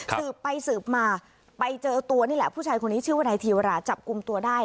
สืบไปสืบมาไปเจอตัวนี่แหละผู้ชายคนนี้ชื่อว่านายธีวราจับกลุ่มตัวได้